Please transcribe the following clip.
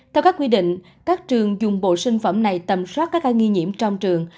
theo các quy định các trường dùng bộ sinh phẩm này tầm soát các ca nghi nhiễm trong trường